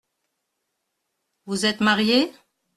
Vous êtes marié ?